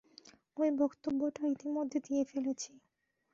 ওই বক্তব্যটা ইতিমধ্যে দিয়ে ফেলেছি।